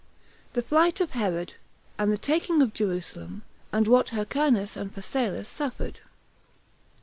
The Flight Of Herod, And The Taking Of Jerusalem And What Hyrcanus And Phasaelus Suffered.